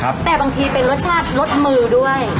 แต่บางทีเป็นรสชาติรสมือด้วย